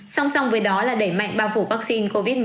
song song với đó là đẩy mạnh bao phủ vaccine covid một mươi chín